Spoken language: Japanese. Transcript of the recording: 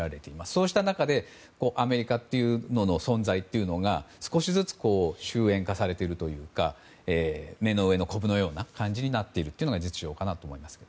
そうした中でアメリカの存在が少しずつ終焉化されているというか目の上のこぶのような感じになっているのが実情かと思います。